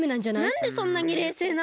なんでそんなにれいせいなの？